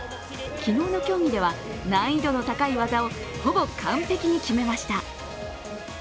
昨日の競技では難易度の高い技をほぼ完璧に決めました。